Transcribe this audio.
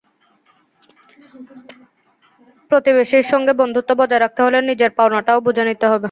প্রতিবেশীর সঙ্গে বন্ধুত্ব বজায় রাখতে হলে নিজের পাওনাটাও বুঝে নিতে হবে।